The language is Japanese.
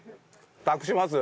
託します？